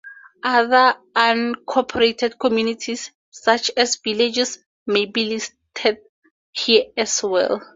Other unincorporated communities, such as villages, may be listed here as well.